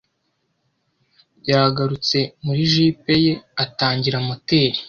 yagarutse muri Jeep ye atangira moteri.